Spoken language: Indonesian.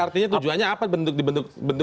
artinya tujuannya apa bentuk bentuk sekber itu